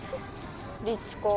律子